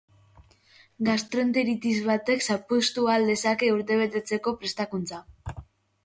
Gastroenteritis batek zapuztu al dezake urtebeteko prestakuntza?